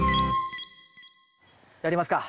やりますか。